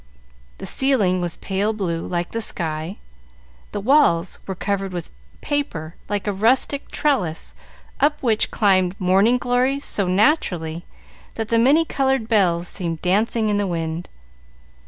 The ceiling was pale blue, like the sky; the walls were covered with a paper like a rustic trellis, up which climbed morning glories so naturally that the many colored bells seemed dancing in the wind.